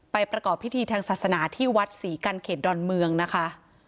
ประกอบพิธีทางศาสนาที่วัดศรีกันเขตดอนเมืองนะคะ